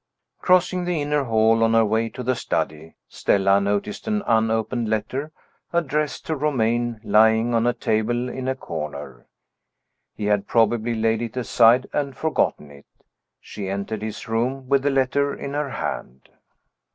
Crossing the inner hall, on her way to the study, Stella noticed an unopened letter, addressed to Romayne, lying on a table in a corner. He had probably laid it aside and forgotten it. She entered his room with the letter in her hand.